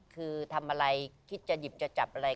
คือทำอะไรคิดจะหยิบจะจับอะไร